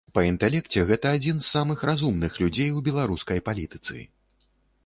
Па інтэлекце гэта адзін з самых разумных людзей у беларускай палітыцы.